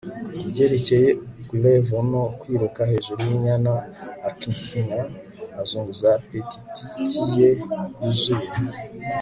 kubyerekeye ukleevo no kwiruka hejuru yinyana. aksinya, azunguza petitiki ye yuzuye